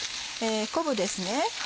昆布ですね